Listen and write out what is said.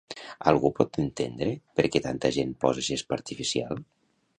Algú pot entendre perquè tanta gent posa gespa artificial?